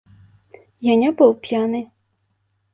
Я не быў п'яны.